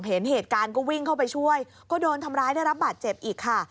เห็นเหตุการณ์ก็วิ่งเข้าไปช่วยก็โดนทำร้ายได้รับบาดเจ็บอีกค่ะ